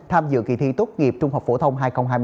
tham dự kỳ thi tốt nghiệp trung học phổ thông hai nghìn hai mươi